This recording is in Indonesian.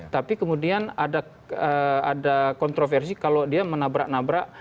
tapi kemudian ada kontroversi kalau dia menabrak nabrak